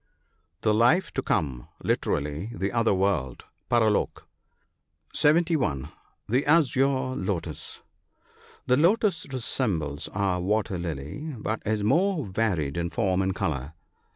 The life to come. — Literally, " the other world " {Paraldk). (71.) The azure lotus. — The lotus resembles our water lily, but is more varied in form and colour.